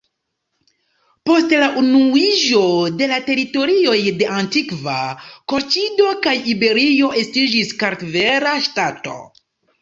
Post la unuiĝo de la teritorioj de antikva Kolĉido kaj Iberio estiĝis Kartvela ŝtato.